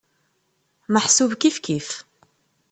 Meḥsub kifkif.